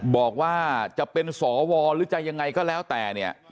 บอกว่าจะเป็นสวหรือจะยังไงก็แล้วแต่เนี่ย